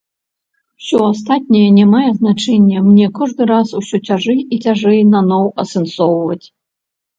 Усё астатняе не мае значэння, мне кожны раз усё цяжэй і цяжэй наноў асэнсоўваць.